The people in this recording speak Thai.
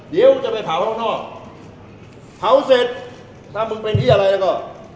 เดี๋ยวจะไปเผาข้างนอกเผาเสร็จถ้ามึงเป็นที่อะไรแล้วก็